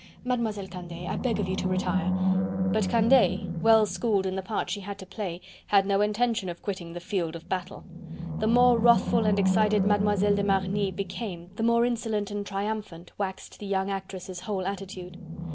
Mademoiselle Candeille, I beg of you to retire...." But Candeille well schooled in the part she had to play had no intention of quitting the field of battle. The more wrathful and excited Mademoiselle de Marny became the more insolent and triumphant waxed the young actress' whole attitude.